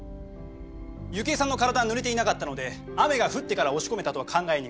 雪枝さんの体は濡れていなかったので雨が降ってから押し込めたとは考えにくい。